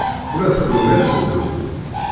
Ula d kenwi ad teddum?